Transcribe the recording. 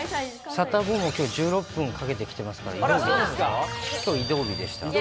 サタボーもきょう１６分かけてきてますから、きょう移動日でした。